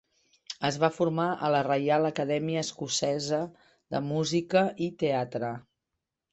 Es va formar a la Reial Acadèmia Escocesa de Música i Teatre.